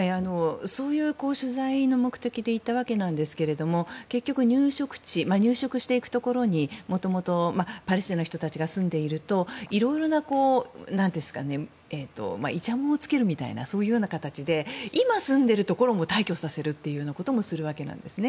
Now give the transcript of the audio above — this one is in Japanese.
そういう取材の目的で行ったわけなんですが結局、入植地入植していくところにもともと、パレスチナの人たちが住んでいるといろいろないちゃもんをつけるというようなそういうような形で今、住んでいるところも退去させるというようなこともするわけなんですね。